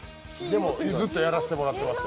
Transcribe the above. でも、ずっとやらせてもらってます。